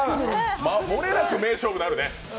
もれなく名勝負になるね。